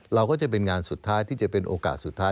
เราก็จะเป็นงานสุดท้ายที่จะเป็นโอกาสสุดท้าย